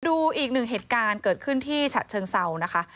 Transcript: ดูอีกหนึ่งเหตุการณ์เกิดขึ้นที่ฉะเชิงเซานะคะ